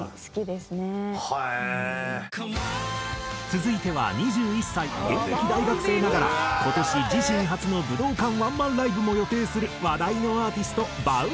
続いては２１歳現役大学生ながら今年自身初の武道館ワンマンライブも予定する話題のアーティストＶａｕｎｄｙ。